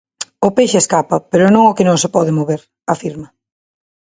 "O peixe escapa, pero non o que non se pode mover", afirma.